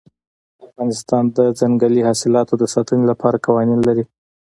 افغانستان د ځنګلي حاصلاتو د ساتنې لپاره قوانین لري.